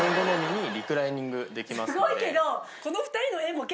すごいけど。